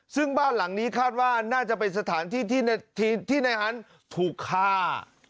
ซึ่งบ้านหลังนี้คาดว่าน่าจะเป็นสถานที่ที่ในฮันต์ถูกฆ่า